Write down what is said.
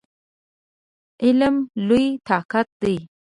علم لوی طاقت دی!